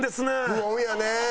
不穏やね。